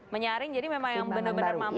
menyaring jadi memang yang benar benar mampu